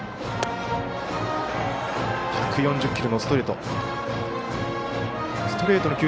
１４０キロのストレート。